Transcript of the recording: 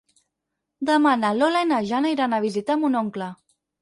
Demà na Lola i na Jana iran a visitar mon oncle.